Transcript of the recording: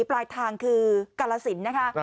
ปลายทางคือกาลสินนะคะ